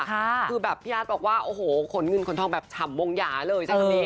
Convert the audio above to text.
คือแบบพี่ยาดบอกว่าขนเงินขนทองแบบฉ่ำวงหยาเลยใช่ไหม